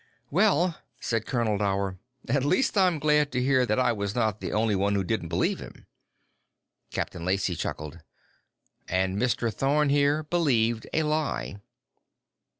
"Well," said Colonel Dower, "at least I'm glad to hear that I was not the only one who didn't believe him." Captain Lacey chuckled. "And Mr. Thorn here believed a lie."